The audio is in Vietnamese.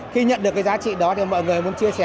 khi nhận được cái giá trị đó thì mọi người muốn chia sẻ